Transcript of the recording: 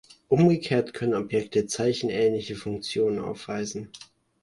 Umgekehrt könnten Objekte zeichenähnliche Funktionen aufweisen.